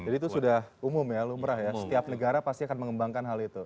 jadi itu sudah umum ya lu merah ya setiap negara pasti akan mengembangkan hal itu